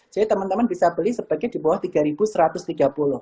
jadi teman teman bisa beli sebaiknya di bawah rp tiga satu ratus tiga puluh